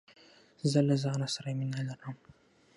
زه له ځانه سره مینه لرم.